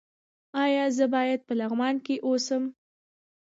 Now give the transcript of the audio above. ایا زه باید په لغمان کې اوسم؟